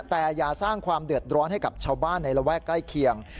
แต่อย่าสร้างความเดือดร้อนให้กับชาวบ้านในระแวกใกล้เคียง